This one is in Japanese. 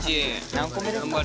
何個目ですか？